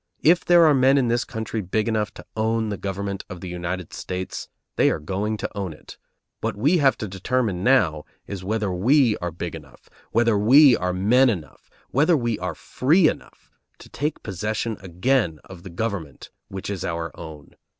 If there are men in this country big enough to own the government of the United States, they are going to own it; what we have to determine now is whether we are big enough, whether we are men enough, whether we are free enough, to take possession again of the government which is our own.